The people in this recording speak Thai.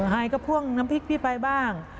หายก็พ่วงน้ำพริกพี่ไปบ้าง